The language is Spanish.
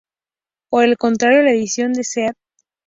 Por el contrario, la edición de St.